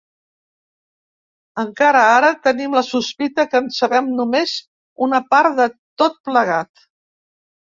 Encara ara, tenim la sospita que en sabem només una part de tot plegat.